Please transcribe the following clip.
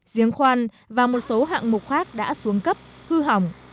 giếng khoan và một số hạng mục khác đã xuống cấp hư hỏng